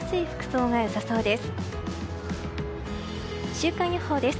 週間予報です。